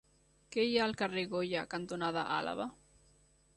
Què hi ha al carrer Goya cantonada Àlaba?